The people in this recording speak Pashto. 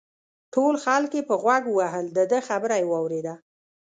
ټول خلک یې په غوږ ووهل دده خبره یې واورېده.